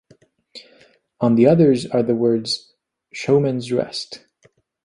On the others are the words "Showmen's Rest".